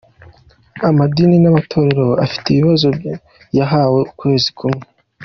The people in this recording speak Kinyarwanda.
Amadini n’amatorero afite ibibazo yahawe ukwezi kumwe.